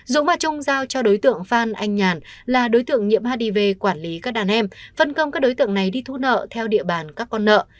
dống mà trung giao cho đối tượng phan anh nhàn là đối tượng nhiễm hiv quản lý các đàn em phân công các đối tượng này đi thu nợ theo địa bàn các con nợ